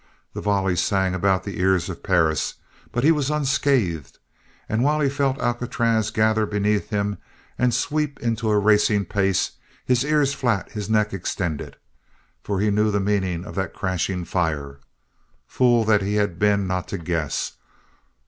The volley sang about the ears of Perris, but he was unscathed, while he felt Alcatraz gather beneath him and sweep into a racing pace, his ears flat, his neck extended. For he knew the meaning of that crashing fire. Fool that he had been not to guess.